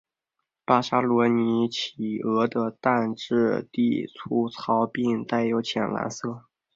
马卡罗尼企鹅的蛋质地粗糙并带有浅蓝色。